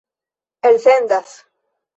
elsendas